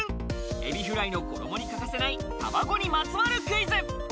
エビフライの衣に欠かせない卵にまつわるクイズ。